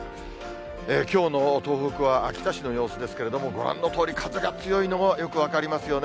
きょうの東北は秋田市の様子ですけれども、ご覧のとおり、風が強いのも、よく分かりますよね。